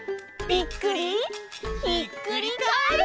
ひっくりカエル！